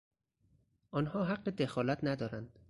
آنها حق دخالت ندارند.